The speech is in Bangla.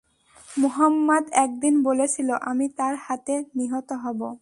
মুহাম্মাদ একদিন বলেছিল, আমি তাঁর হাতে নিহত হব।